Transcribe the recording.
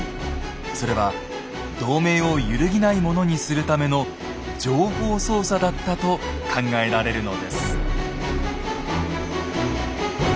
それは同盟を揺るぎないものにするための情報操作だったと考えられるのです。